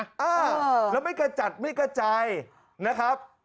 เออแล้วไม่กระจัดไม่กระจายนะครับ